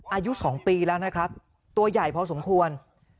อายุ๒ปีแล้วนะครับตัวใหญ่พอสมควร